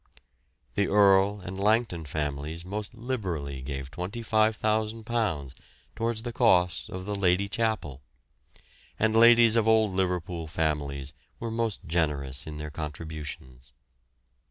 The Earle and Langton families most liberally gave £25,000 towards the cost of the Lady Chapel, and ladies of old Liverpool families were most generous in their contributions.